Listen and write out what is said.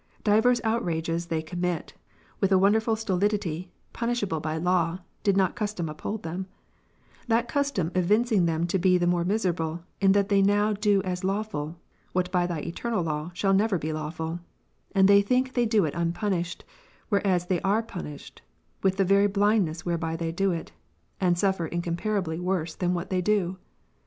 Divers outrages they commit, with a wonderful stolidity, punishable by law, did not custom uphold them; that custom evincing them to be the more miserable, in that they now do as lawful, what by Thy eternal law shall never be lawful; and they think they do it unpunished, whereas they are punished with the very blindness whereby they do it, and suffer incomparably worse than what they do.